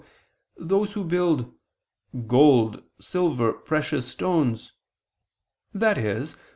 3:12) those who build "gold, silver, precious stones," i.e.